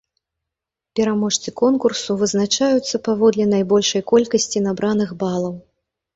Пераможцы конкурсу вызначаюцца паводле найбольшай колькасці набраных балаў.